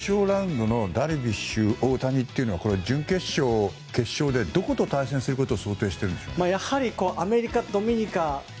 決勝ラウンドのダルビッシュ、大谷というのは準決勝、決勝でどこと対戦することを想定しているんですか。